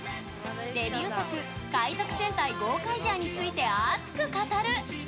デビュー作「海賊戦隊ゴーカイジャー」について熱く語る。